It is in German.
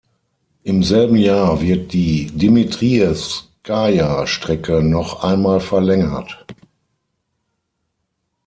Im selben Jahr wird die "Dimitriewskaja-Strecke" noch einmal verlängert.